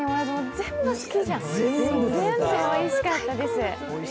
全部おいしかったです。